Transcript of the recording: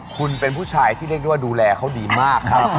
คุณเป็นผู้ชายที่เรียกได้ว่าดูแลเขาดีมากครับ